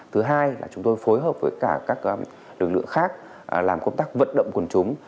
thứ hai là chúng tôi phối hợp với cả các lực lượng khác làm công tác vận động quần chúng